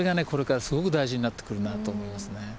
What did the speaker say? これからすごく大事になってくるなと思いますね。